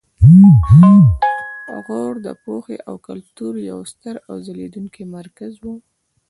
غور د پوهې او کلتور یو ستر او ځلیدونکی مرکز و